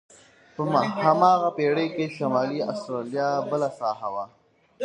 په هماغه پېړۍ کې شمالي استرالیا بله ساحه وه.